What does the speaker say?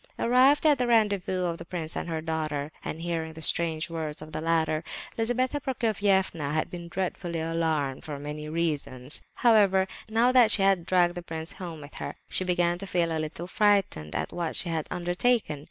Arrived at the rendezvous of the prince and her daughter, and hearing the strange words of the latter, Lizabetha Prokofievna had been dreadfully alarmed, for many reasons. However, now that she had dragged the prince home with her, she began to feel a little frightened at what she had undertaken.